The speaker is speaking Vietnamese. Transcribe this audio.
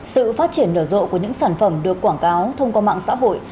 sự phát triển nở rộ của những sản phẩm được quảng cáo thông qua mạng xã hội